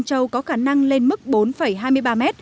châu có khả năng lên mức bốn hai mươi ba m